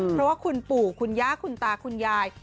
เพราะว่าคุณปู่คุณย่าคุณตาคุณยาย